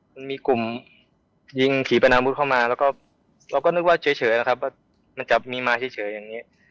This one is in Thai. มันมีกลุ่มยิงขี่ปนาวุธเข้ามาแล้วก็เราก็นึกว่าเฉยนะครับว่ามันจะมีมาเฉยอย่างนี้